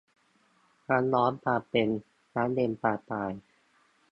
น้ำร้อนปลาเป็น น้ำเย็นปลาตาย